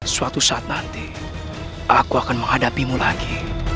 suatu saat nanti aku akan menghadapi mu lagi